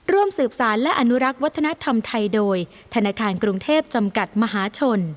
ร่วมสืบสารและอนุรักษ์วัฒนธรรมไทยโดยธนาคารกรุงเทพจำกัดมหาชน